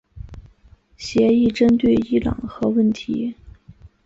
协议针对伊朗核问题。